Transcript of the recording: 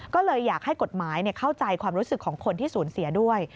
ก็เลยอยากให้กฎหมายเข้าใจความรู้สึกของคนที่สูญเสียด้วย